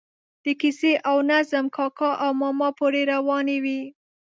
د کیسې او نظم کاکا او ماما پورې روانې وي.